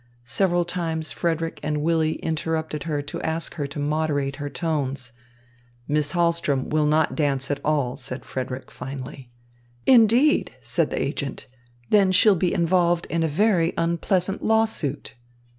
Several times Frederick and Willy interrupted to ask her to moderate her tones. "Miss Hahlström will not dance at all," said Frederick, finally. "Indeed?" said the agent. "Then she'll be involved in a very unpleasant law suit."